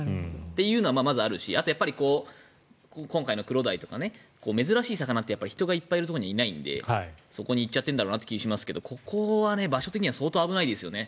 というのがまずあるしあと、今回のクロダイとか珍しい魚って人がいっぱいいるところにいないのでそこに行ってるんだろうなという気がしますけどここは場所的には相当危ないですよね。